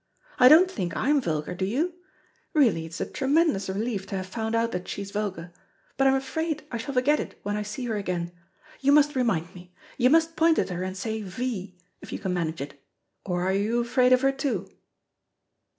I don't think I'm vulgar, do you? Really it's a tremendous relief to have found out that she's vulgar. But I am afraid I shall forget it when I see her again. You must remind me. You must point at her and say V, if you can manage it. Or are you afraid of her too?"